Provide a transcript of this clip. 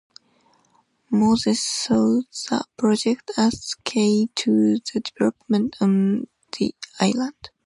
Moses saw the project as key to the development of the island.